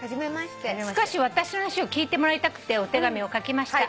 「少し私の話を聞いてもらいたくてお手紙を書きました」